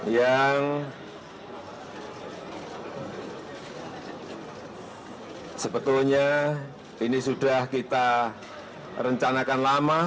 yang sebetulnya ini sudah kita rencanakan lama